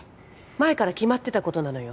前から決まってたことなのよ